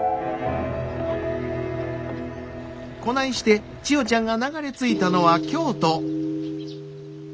こないして千代ちゃんが流れ着いたのは京都。